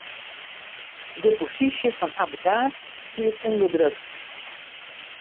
De posysje fan 'e abbekaat stiet ûnder druk.